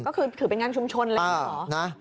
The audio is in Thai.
ก็คือเป็นงานชุมชนเลยหรือเปล่า